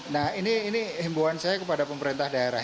nah ini himbuan saya kepada pemerintah daerah